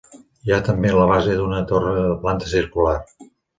Hi ha també la base d'una torre de planta circular.